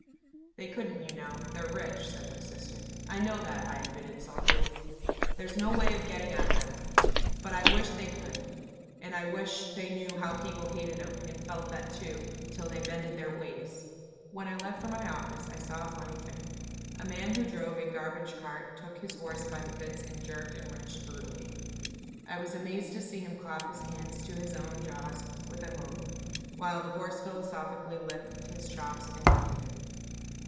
"They couldn't you know; they're rich," said my sister. "I know that," I admitted, sulkily. "There's no way of getting at 'em. But I wish they could. And I wish they knew how people hated 'em, and felt that, too till they mended their ways!" When I left for my office I saw a funny thing. A man who drove a garbage cart took his horse by the bits and jerked and wrenched brutally. I was amazed to see him clap his hands to his own jaws with a moan, while the horse philosophically licked his chops and looked at him.